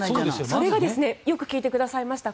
それがよく聞いてくださいました。